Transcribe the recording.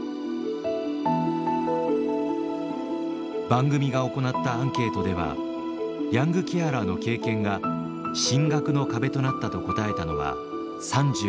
番組が行ったアンケートではヤングケアラーの経験が進学の壁となったと答えたのは３６．２％。